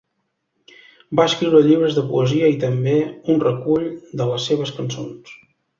Va escriure llibres de poesia i també un recull de les seves cançons.